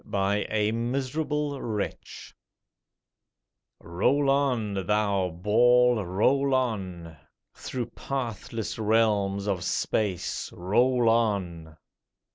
BY A MISERABLE WRETCH ROLL on, thou ball, roll on! Through pathless realms of Space Roll on!